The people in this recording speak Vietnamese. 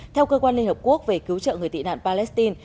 theo cơ quan liên hợp quốc về cứu trợ người tị nạn palestine